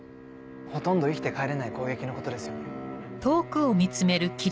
ほとんど生きて帰れない攻撃のことですよね。